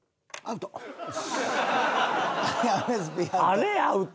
あれアウト？